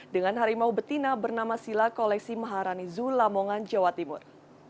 dengan harimau betina bernama sila koleksi maharani zoo lamongan jawa timur